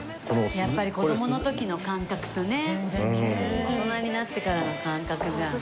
やっぱり子どもの時の感覚とね大人になってからの感覚じゃあね。